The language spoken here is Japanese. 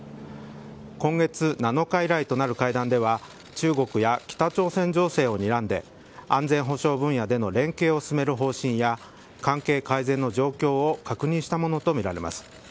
今月７日以来となる会談では中国や北朝鮮情勢をにらんで安全保障分野での連携を進める方針や関係改善の状況を確認したものとみられます。